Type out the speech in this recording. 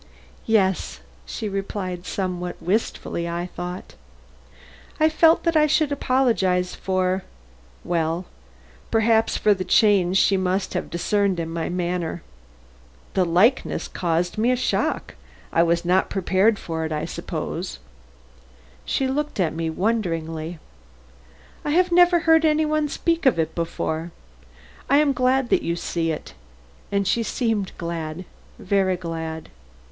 "Yes," she replied, somewhat wistfully I thought. I felt that I should apologize for well, perhaps for the change she must have discerned in my manner. "The likeness caused me a shock. I was not prepared for it, I suppose." She looked at me quite wonderingly. "I have never heard any one speak of it before. I am glad that you see it." And she seemed glad, very glad.